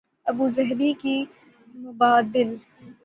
Abu Dhabi کی مبادل